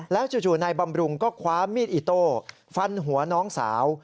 จู่นายบำรุงก็คว้ามีดอิโต้ฟันหัวน้องสาว